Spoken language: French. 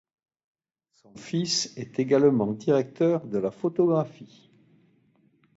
Son fils est également directeur de la photographie.